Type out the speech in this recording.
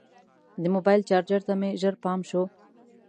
د موبایل چارجر ته مې ژر پام شو.